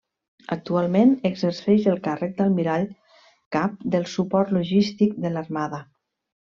Actualment exerceix el càrrec d'almirall cap del Suport Logístic de l'Armada.